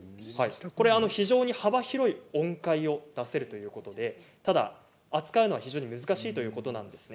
非常に幅広い音階を出せるということで扱うのは非常に難しいということなんです。